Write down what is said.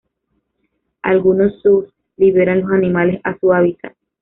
Algunos zoos liberan los animales a sus hábitat.